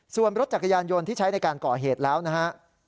ส่วนรถจักรยานยนต์ที่ใช้ในการก่อเหตุแล้วนะฮะ